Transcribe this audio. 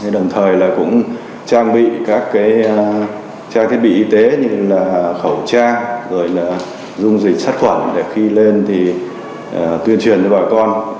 đồng thời cũng trang bị các trang thiết bị y tế như khẩu trang dung dịch sát khuẩn để khi lên tuyên truyền cho bà con